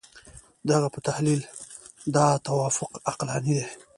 د هغه په تحلیل دا توافق عقلاني دی.